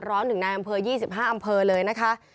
๑นายอำเภอ๒๕อำเภอเลยนะคะ